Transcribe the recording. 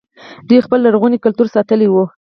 دوی خپل لرغونی کلتور ساتلی و